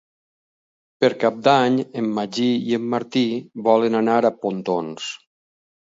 Per Cap d'Any en Magí i en Martí volen anar a Pontons.